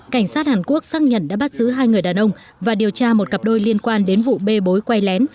cảnh sát hàn quốc xác nhận đã bắt giữ hai người đàn ông và điều tra một cặp đôi liên quan đến vụ bê bối quay lén